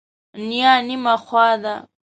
نیا نیمه خوا ده.